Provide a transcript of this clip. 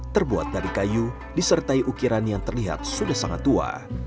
terbuat dari kayu disertai ukiran yang terlihat sudah sangat tua